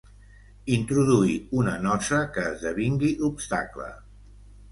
Introduir una nosa que esdevingui obstacle.